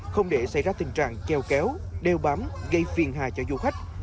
không để xảy ra tình trạng kéo kéo đeo bám gây phiền hài cho du khách